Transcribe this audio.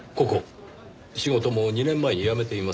仕事も２年前に辞めていますね。